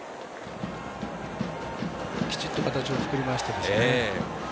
きちっと形を作りましたね。